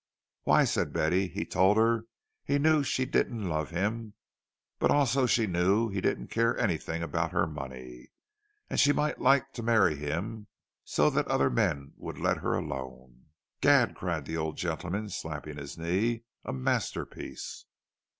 "Why," said Betty, "he told her he knew she didn't love him; but also she knew that he didn't care anything about her money, and she might like to marry him so that other men would let her alone." "Gad!" cried the old gentleman, slapping his knee. "A masterpiece!"